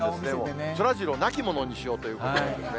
そらジローをなきものにしようということなんですね。